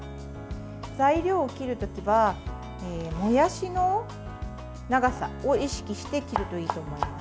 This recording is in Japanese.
材料を切る時はもやしの長さを意識して切るといいと思います。